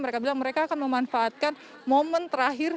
mereka bilang mereka akan memanfaatkan momen terakhir